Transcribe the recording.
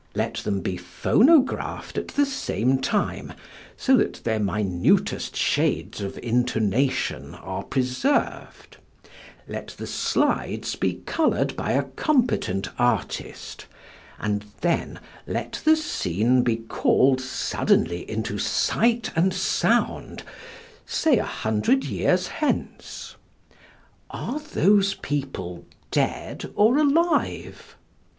Let them be phonographed at the same time so that their minutest shades of intonation are preserved, let the slides be coloured by a competent artist, and then let the scene be called suddenly into sight and sound, say a hundred years hence. Are those people dead or alive?